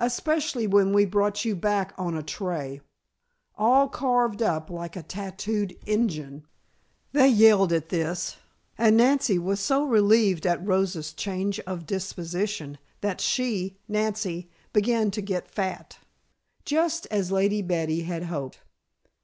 Especially when we brought you back on a tray. All carved up like a tatooed injun " They yelled at this, and Nancy was so relieved at Rosa's change of disposition that she, Nancy, began to get fat! Just as Lady Betty had hoped!